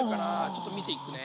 ちょっと見せいくね。